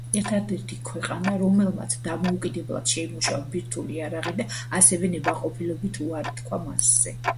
ერთადერთი ქვეყანა, რომელმაც დამოუკიდებლად შეიმუშავა ბირთვული იარაღი და ასევე ნებაყოფლობით უარი თქვა მასზე.